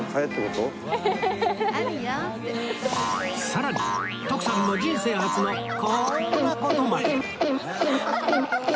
さらに徳さんも人生初のこんな事まで